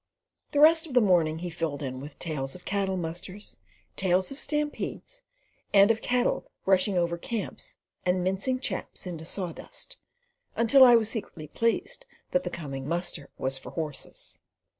The rest of the morning he filled in with tales of cattle musters tales of stampedes and of cattle rushing over camps and "mincing chaps into saw dust" until I was secretly pleased that the coming muster was for horses.